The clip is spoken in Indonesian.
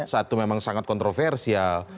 satu memang sangat kontroversial